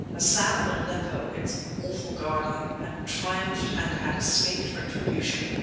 Hassan of Aleppo, its awful guardian, had triumphed and had escaped retribution.